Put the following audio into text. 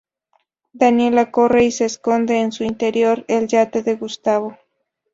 Daniela corre y se esconde en su interior el yate de Gustavo.